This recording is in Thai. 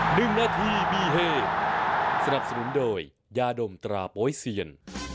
หนึ่งนาทีมีเฮสนับสนุนโดยยาดมตราโป๊ยเซียน